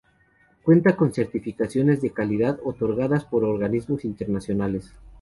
Cuenta con certificaciones de calidad otorgadas por organismos internacionales.